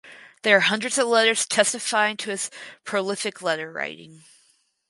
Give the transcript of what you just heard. There are hundreds of letters testifying to his prolific letter writing.